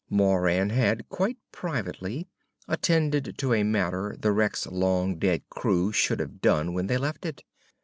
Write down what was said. Moran had, quite privately, attended to a matter the wreck's long dead crew should have done when they left it.